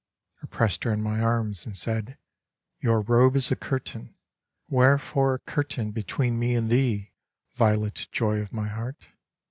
I pressed her in my arms, and said :" Your robe is a curtain. Wherefore a curtain between me and thee, violet joy of my heart